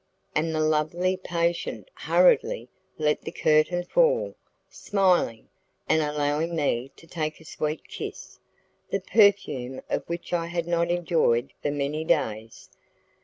and the lovely patient hurriedly let the curtain fall, smiling, and allowing me to take a sweet kiss, the perfume of which I had not enjoyed for many days.